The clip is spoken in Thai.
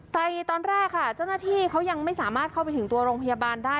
ตอนแรกค่ะเจ้าหน้าที่เขายังไม่สามารถเข้าไปถึงตัวโรงพยาบาลได้